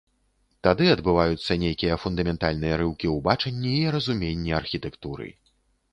Тады адбываюцца нейкія фундаментальныя рыўкі ў бачанні і разуменні архітэктуры.